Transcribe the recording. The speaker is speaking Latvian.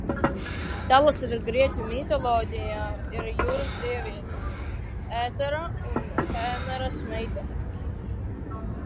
Talasa grieķu mitoloģijā ir jūras dieviete, Ētera un Hēmeras meita.